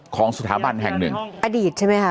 ของสถาบันแห่งหนึ่งอดีตใช่ไหมคะ